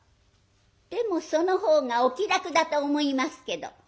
「でもそのほうがお気楽だと思いますけど」。